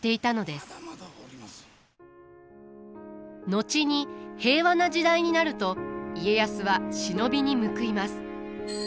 後に平和な時代になると家康は忍びに報います。